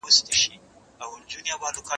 و گټه، پيل وڅټه.